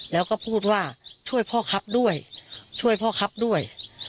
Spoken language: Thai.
แล้วก็พูดว่าช่วยพ่อครับด้วยช่วยพ่อครับด้วย